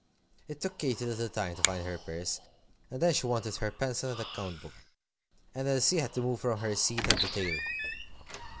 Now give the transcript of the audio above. It took Katy a little time to find her purse, and then she wanted her pencil and account book, and Elsie had to move from her seat at the table.